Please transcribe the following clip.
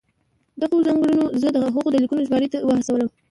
دغو ځانګړنو زه د هغه د لیکنو ژباړې ته وهڅولم.